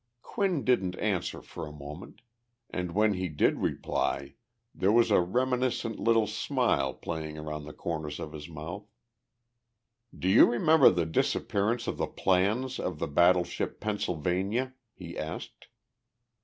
Quinn didn't answer for a moment, and when he did reply there was a reminiscent little smile playing around the corners of his mouth. "Do you remember the disappearance of the plans of the battleship Pennsylvania?" he asked.